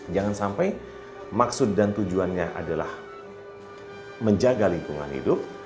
jangan sampai maksud dan tujuannya adalah menjaga lingkungan hidup